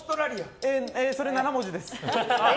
それ７文字です。